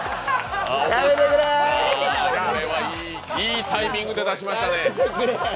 いいタイミングで出しましたね。